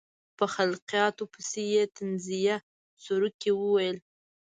په خلقیاتو پسې یې طنزیه سروکي وویل.